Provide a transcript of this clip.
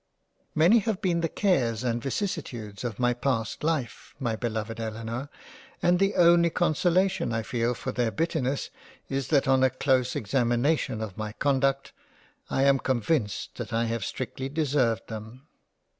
MANY have been the cares and vicissitudes of my past life, my beloved Ellinor, and the only conso lation I feel for their bitterness is that on a close examination of my conduct, I am convinced that I have strictly deserved them.